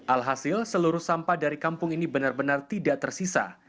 alhasil seluruh sampah dari kampung ini benar benar tidak tersisa